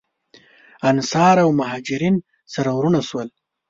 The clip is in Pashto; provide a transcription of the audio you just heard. انصار او مهاجرین سره وروڼه شول.